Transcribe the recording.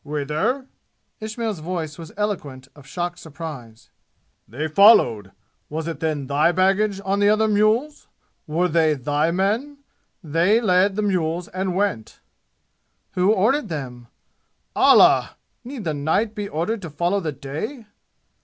"Whither?" Ismail's voice was eloquent of shocked surprise. "They followed! Was it then thy baggage on the other mules? Were they thy men? They led the mules and went!" "Who ordered them?" "Allah! Need the night be ordered to follow the Day?"